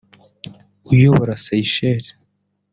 uyobora Seychelles